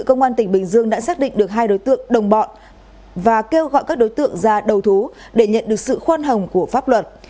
công an tỉnh bình định đã cướp đồng bọn và kêu gọi các đối tượng ra đầu thú để nhận được sự khoan hồng của pháp luật